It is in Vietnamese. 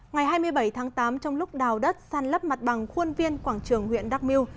ngày hai mươi bảy tháng tám trong lúc đào đất san lấp mặt bằng khuôn viên quảng trường huyện đắk miêu